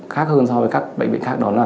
khác hơn các bệnh viện khác đó là